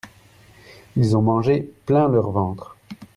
Ils ont mangé plein leur ventre.